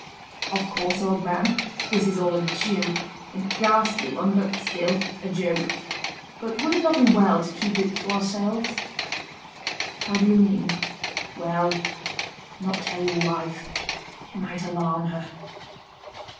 "Of course, old man, this is all a joke; a ghastly one, but still a joke. But would it not be well to keep it to ourselves?" "How do you mean?" "Well, not tell your wife. It might alarm her."